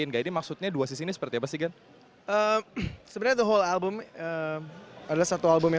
enggak ini maksudnya dua sisi ini seperti apa sih kan sebenarnya the whole album adalah satu album yang